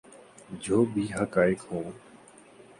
جو بھی حقائق ہوں۔